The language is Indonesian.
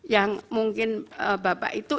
yang mungkin bapak itu